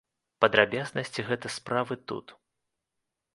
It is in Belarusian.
Падрабязнасці гэта справы тут.